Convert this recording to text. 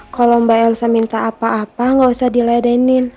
kalau mbak elsa minta apa apa gak usah diladenin